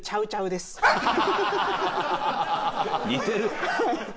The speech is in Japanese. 似てる。